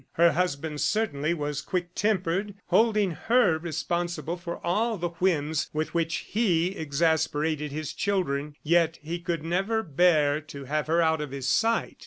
Her husband certainly was quick tempered, holding her responsible for all the whims with which he exasperated his children, yet he could never bear to have her out of his sight.